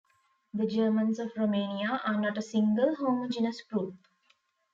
The Germans of Romania are not a single, homogenous group.